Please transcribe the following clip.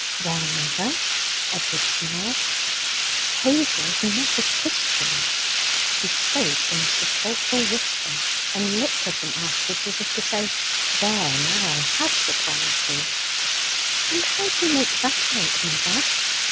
'Well, mother?' Edward smiled. 'Hazel's not a Christian!' She spoke in a sepulchral whisper, and looked at him afterwards, as if to say, 'There, now, I have surprised you!' 'And how do you make that out, mother?'